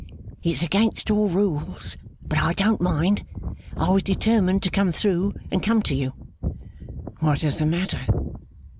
'It's against all rules, but I don't mind. I was determined to come through, and come to you.' 'What is the matter?